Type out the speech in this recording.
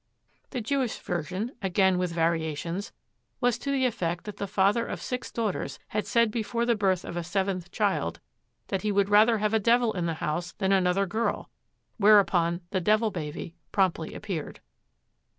The Jewish version, again with variations, was to the effect that the father of six daughters had said before the birth of a seventh child that he would rather have a devil in the house than another girl, whereupon the Devil Baby promptly appeared.